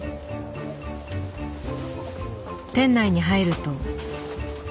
店内に入ると。